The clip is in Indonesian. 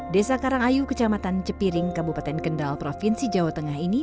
desa karangayu kecamatan cepiring kabupaten kendal provinsi jawa tengah ini